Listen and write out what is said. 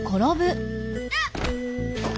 あっ。